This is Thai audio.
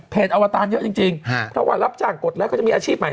อวตารเยอะจริงเพราะว่ารับจ้างกดแล้วเขาจะมีอาชีพใหม่